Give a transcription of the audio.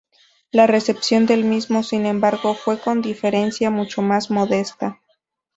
La recepción del mismo, sin embargo, fue con diferencia mucho más modesta.